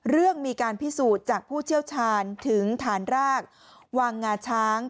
เรื่องมีการพิสูจน์จากผู้เชี่ยวชาญถึงฐานรากวางงาช้าง